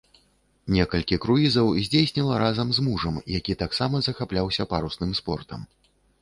Некалькі круізаў здзейсніла разам з мужам, які таксама захапляўся парусным спортам.